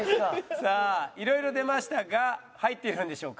さあ色々出ましたが入っているんでしょうか？